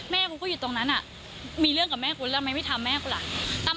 กูก็อยู่ตรงนั้นมีเรื่องกับแม่กูแล้วไหมไม่ทำแม่กูล่ะ